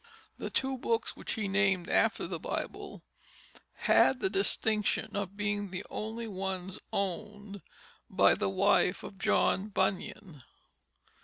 The two books which he named after the Bible had the distinction of being the only ones owned by the wife of John Bunyan.